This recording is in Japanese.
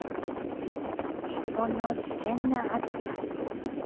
日本の危険な暑さ。